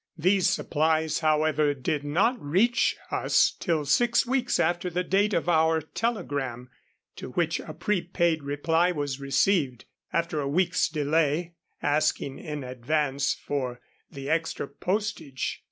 These supplies, however, did not reach us till six weeks after the date of our telegram, to which a prepaid reply was received, after a week's delay, asking in advance for the extra postage.